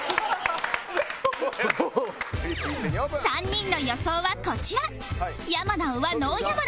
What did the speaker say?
３人の予想はこちら